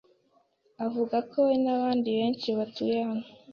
avuga ko we n'abandi benshi batuye hano